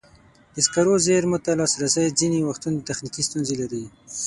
د سکرو زېرمو ته لاسرسی ځینې وختونه تخنیکي ستونزې لري.